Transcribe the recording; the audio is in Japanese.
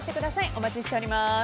お待ちしております。